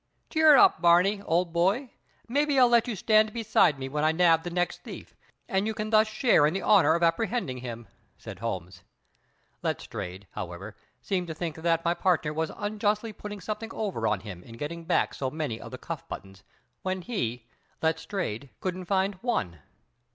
"Cheer up, Barney, old boy; maybe I'll let you stand beside me when I nab the next thief, and you can thus share in the honor of apprehending him," said Holmes. Letstrayed, however, seemed to think that my partner was unjustly putting something over on him in getting back so many of the cuff buttons when he, Letstrayed, couldn't find one.